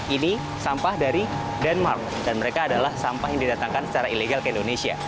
ini sampah dari denmark dan mereka adalah sampah yang didatangkan secara ilegal ke indonesia